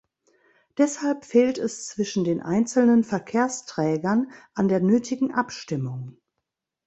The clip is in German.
Deshalb fehlt es zwischen den einzelnen Verkehrsträgern an der nötigen Abstimmung.